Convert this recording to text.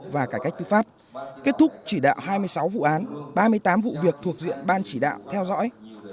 và cải cách tư pháp kết thúc chỉ đạo hai mươi sáu vụ án ba mươi tám vụ việc thuộc diện ban chỉ đạo theo dõi